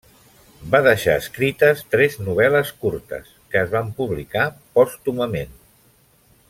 Va deixar escrites tres novel·les curtes que es van publicar pòstumament.